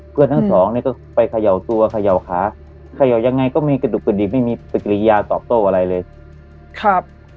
เพื่อนทั้งสองเนี่ยก็ไปเขย่าตัวเขย่าขาเขย่ายังไงก็มีกระดูกกระดิกไม่มีปฏิกิริยาตอบโต้อะไรเลยครับ